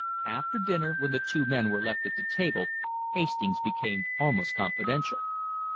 After dinner, when the two men were left at the table, Hastings became almost confidential.